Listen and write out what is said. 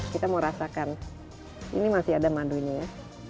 kita mau rasakan ini masih ada madunya ya